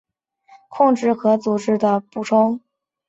它是制度控制和组织控制的重要补充。